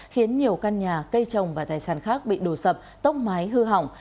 khiến nhiều căn nhà cây trồng và tài sản khác bị đổ sập tốc mái hư hỏng